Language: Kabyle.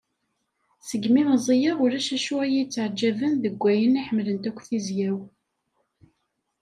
Segmi meẓẓiyeɣ ulac acu iyi-ttaɛǧaben deg wayen i ḥemmlent akk tizya-w.